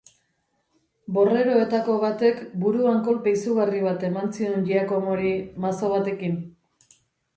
Borreroetako batek buruan kolpe izugarri bat eman zion Giacomori mazo batekin.